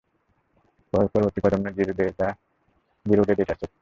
পরবর্তী প্রজন্মের zero-day data set.